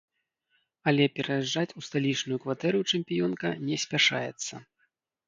Але пераязджаць у сталічную кватэру чэмпіёнка не спяшаецца.